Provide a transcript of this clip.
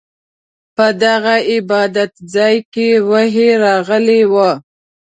په دغه عبادت ځاې کې وحې راغلې وه.